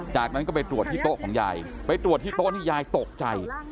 จากนั้นก็ไปตรวจที่โต๊ะของยายไปตรวจที่โต๊ะที่ยายตกใจ